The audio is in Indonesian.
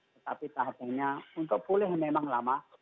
tetapi tahapannya untuk pulih memang lama